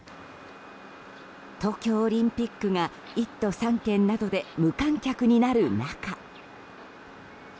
東京オリンピックが１都３県で無観客になる中。